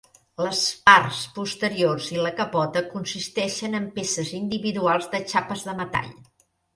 Les parts posteriors i la capota consisteixen en peces individuals de xapes de metall.